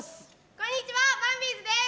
こんにちは、バンビーズです。